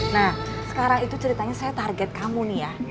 nah sekarang itu ceritanya saya target kamu nih ya